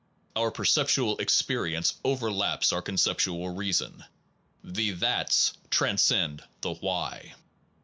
Our perceptual experience over laps our conceptual reason : the that transcends the why.